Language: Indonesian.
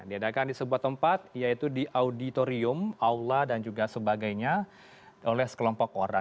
diadakan di sebuah tempat yaitu di auditorium aula dan juga sebagainya oleh sekelompok orang